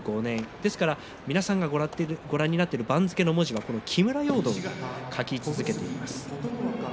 ですから、皆さんがご覧になっている番付の文字はこの木村容堂が書き続けています。